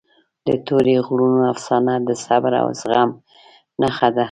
د تورې غرونو افسانه د صبر او زغم نښه ده.